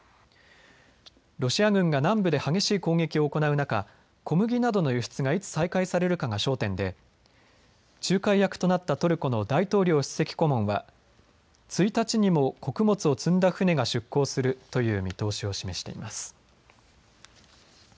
ロシア軍が南部で激しい攻撃を行う中、小麦などの輸出がいつ再開されるかが焦点で仲介役となったトルコの大統領首席顧問は１日にも穀物を積んだ船が出港するという見通しを示しています。